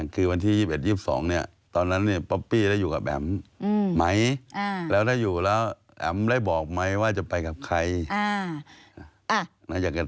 คือวันที่๒๑๒๒เนี่ยตอนนั้นป๊อปปี้ได้อยู่กับแอ๋มไหมแล้วได้อยู่แล้วแอ๋มได้บอกไหมว่าจะไปกับใคร